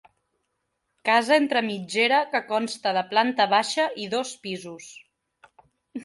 Casa entre mitgera que consta de planta baixa i dos pisos.